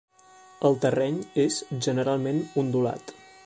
El terreny és generalment ondulat.